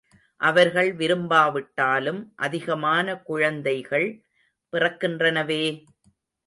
அவர்கள் விரும்பா விட்டாலும் அதிகமான குழந்தைகள் பிறக்கின்றனவே!